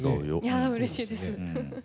いやうれしいです。